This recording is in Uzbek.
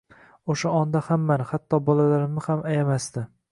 Oʻsha onda hammani, hatto bolalarimni ham ayamasdi